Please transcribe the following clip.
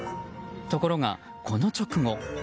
ところが、この直後。